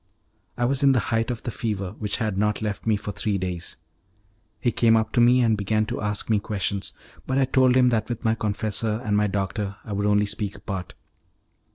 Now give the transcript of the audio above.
I was in the height of the fever, which had not left me for three days. He came up to me and began to ask me questions, but I told him that with my confessor and my doctor I would only speak apart.